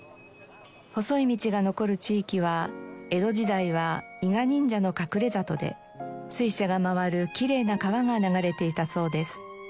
細い道が残る地域は江戸時代は伊賀忍者の隠れ里で水車が回るきれいな川が流れていたそうです。